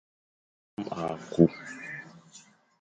Nnôm à ku.